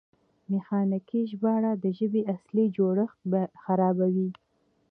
میخانیکي ژباړه د ژبې اصلي جوړښت خرابوي.